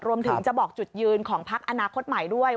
รวมถึงจะบอกจุดยืนของพักอนาคตใหม่ด้วย